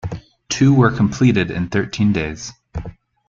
Two were completed in thirteen days.